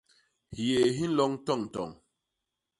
Hyéé hi nloñ toñtoñ.